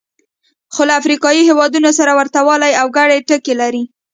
خو له افریقایي هېوادونو سره ورته والی او ګډ ټکي لري.